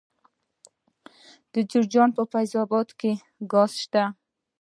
د جوزجان په فیض اباد کې ګاز شته.